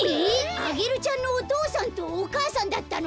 アゲルちゃんのおとうさんとおかあさんだったの！？